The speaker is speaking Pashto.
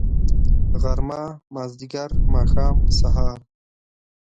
غرمه . مازدیګر . ماښام .. سهار